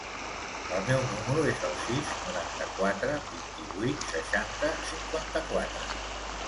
El meu número es el sis, noranta-quatre, vint-i-vuit, seixanta, cinquanta-quatre.